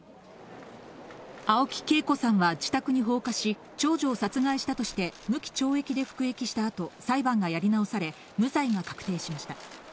青木恵子さんは自宅に放火し、長女を殺害したとして、無期懲役で服役したあと、裁判がやり直され、無罪が確定しました。